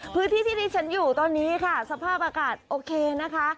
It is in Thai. พื้นที่ที่ที่ฉันอยู่ตอนนี้ค่ะสภาพอากาศโอเคนะคะ